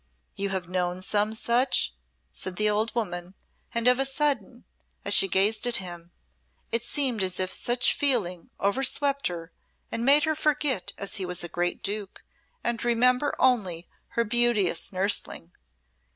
"You have known some such?" said the old woman, and of a sudden, as she gazed at him, it seemed as if such feeling overswept her as made her forget he was a great Duke and remember only her beauteous nurseling.